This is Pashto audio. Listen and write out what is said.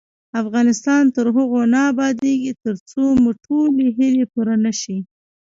افغانستان تر هغو نه ابادیږي، ترڅو مو ټولې هیلې پوره نشي.